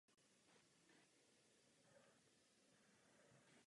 Publikoval kolem sedmdesáti vědeckých prací.